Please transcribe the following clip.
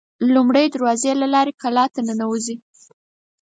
لومړۍ دروازې له لارې قلا ته ننوزي.